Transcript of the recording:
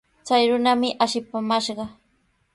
Chay runami ashipaamashqa.